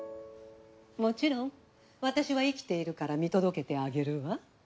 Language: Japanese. もちろん私は生きているから見届けてあげるわ。